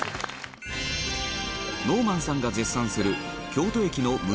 ノーマンさんが絶賛する京都駅の胸